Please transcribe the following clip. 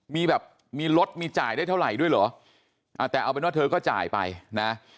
มีแบบมีรถมีจ่ายได้เท่าไหร่ด้วยเหรออ่าแต่เอาเป็นว่าเธอก็จ่ายไปนะ